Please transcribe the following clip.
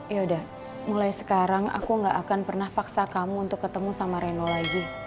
ya udah mulai sekarang aku gak akan pernah paksa kamu untuk ketemu sama reno lagi